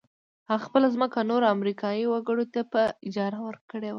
هغه خپله ځمکه نورو امريکايي وګړو ته په اجاره ورکړې وه.